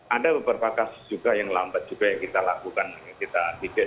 ada beberapa kasus juga yang lambat juga yang kita lakukan yang kita tidak